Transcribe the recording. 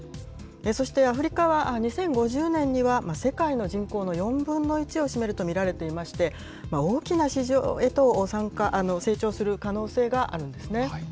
そして、アフリカは２０５０年には、世界の人口の４分の１を占めると見られていまして、大きな市場へと成長する可能性があるんですね。